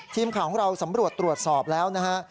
ทีมข่าวของเราสำรวจตรวจสอบแล้วนะฮะ